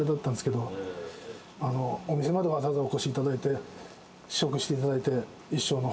お店までわざわざお越しいただいて試食していただいて。